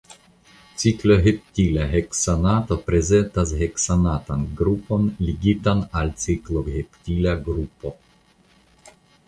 Cikloheptila heksanato prezentas heksanatan grupon ligitan al cikloheptila grupo.